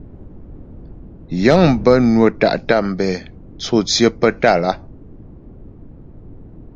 Yə̂ŋ bə́ nwə́ tá’ tambɛ̂ tsô tsyə́ pə́ Tâlá.